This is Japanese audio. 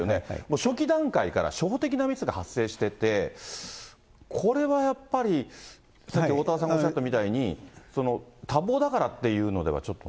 初期段階から初歩的なミスが発生してて、これはやっぱりさっきおおたわさんがおっしゃったみたいに、多忙だからっていうのではちょっとね。